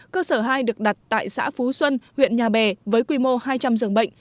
cơ sở hai được đặt tại xã phú xuân huyện nhà bè với quy mô hai trăm linh giường bệnh